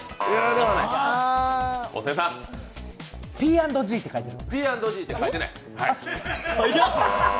Ｐ＆Ｇって書いてある。